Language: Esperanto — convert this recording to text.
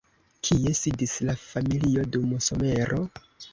Kie sidis la familio dum somero?